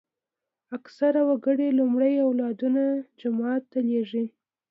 اکثره وګړي لومړی اولادونه جومات ته لېږي.